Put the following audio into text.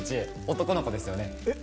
男の子ですよねえっ